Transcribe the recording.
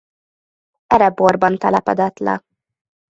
Ereborban telepedett le.